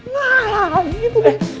malah gitu deh